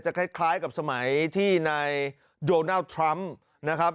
คล้ายกับสมัยที่ในโดนัลด์ทรัมป์นะครับ